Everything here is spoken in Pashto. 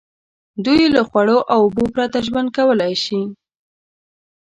دوی له خوړو او اوبو پرته ژوند کولای شي.